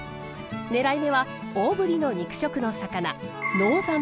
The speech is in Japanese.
狙い目は大ぶりの肉食の魚。